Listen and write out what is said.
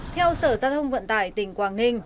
theo sở gia thông vận tải tỉnh quảng ninh